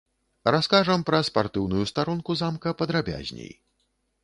Раскажам пра спартыўную старонку замка падрабязней.